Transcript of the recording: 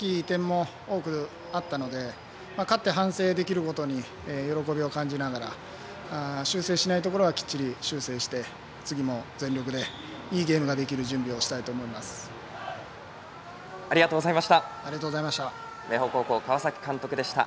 反省すべき点も多くあったので勝って反省できることに喜びを感じながら修正しないといけないところはきっちり修正して次も全力でいいゲームができるありがとうございました。